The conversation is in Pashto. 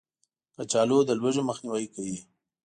کچالو د لوږې مخنیوی کوي